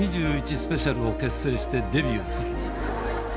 スペシャルを結成してデビューする。